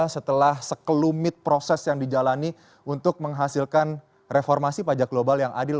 setelah sekelumit proses yang dijalani untuk menghasilkan reformasi pajak global yang adil